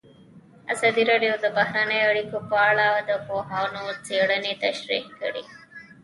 ازادي راډیو د بهرنۍ اړیکې په اړه د پوهانو څېړنې تشریح کړې.